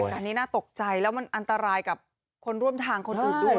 แต่อันนี้น่าตกใจแล้วมันอันตรายกับคนร่วมทางคนอื่นด้วย